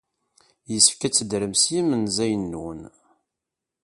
Yessefk ad teddrem s yimenzayen-nwen.